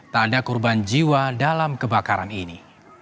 tak ada korban jiwa dalam kebakaran ini